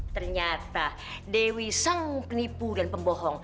ternyata dewi sang penipu dan pembohong